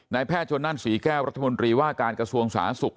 แพทย์ชนนั่นศรีแก้วรัฐมนตรีว่าการกระทรวงสาธารณสุข